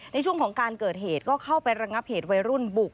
ในช่วงของการเกิดเหตุก็เข้าไประงับเหตุวัยรุ่นบุก